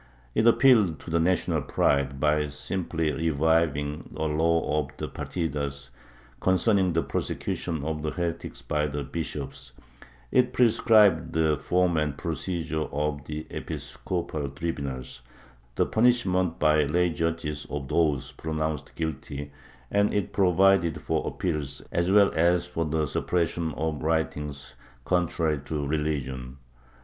It appealed to the national pride, by simply reviving a law of the Partidas concerning the prosecution of heretics by bishops, it prescribed the form and procedure of the episcopal tri bunals, the punishment by lay judges of those pronounced guilty, and it provided for appeals as well as for the suppression of writings contrary to religion.